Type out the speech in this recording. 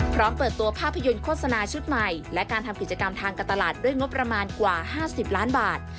พร้อมเปิดตัวภาพยนตร์โฆษณาชุดใหม่และการทำกิจกรรมทางการตลาดด้วยงบประมาณกว่า๕๐ล้านบาท